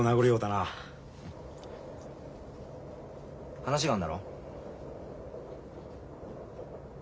話があるんだろ？